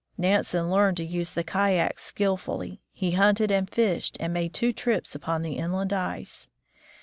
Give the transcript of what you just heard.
Nansen learned to use the kayak skillfully; he hunted and fished, and made two trips upon the inland ice.